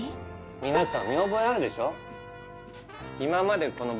皆さん見覚えあるでしょ